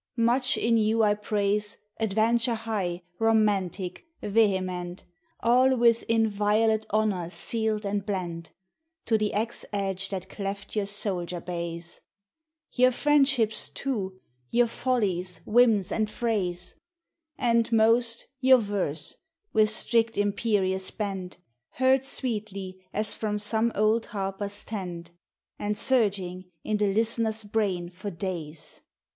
much in you I praise Adventure high, romantic, vehement, All with inviolate honour sealed and blent, To the axe edge that cleft your soldier bays: Your friendships too, your follies, whims, and frays; And, most, your verse, with strict imperious bent, Heard sweetly as from some old harper's tent, And surging in the listener's brain for days.